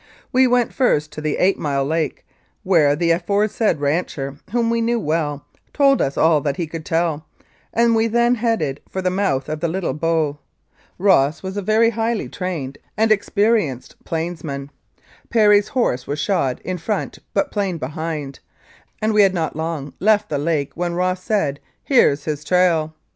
We went first to the Eight Mile Lake, where the afore said rancher, whom we knew well, told us all that he could tell, and we then headed for the mouth of the Little Bow. Ross was a very highly trained and ex 264 Incidents of Mounted Police Life perienced plainsman. Perry's horse was shod in front but plain behind, and we had not long left the Lake when Ross said, "Here's his trail."